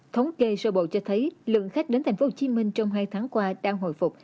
thống kê sơ bộ cho thấy lượng khách đến tp hcm trong hai tháng qua đang hồi phục